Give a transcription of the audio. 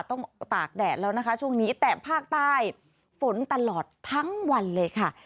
ตากแดดแล้วนะคะช่วงนี้แต่ภาคใต้ฝนตลอดทั้งวันเลยค่ะ